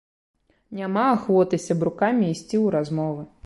Няма ахвоты з сябрукамі ісці ў размовы.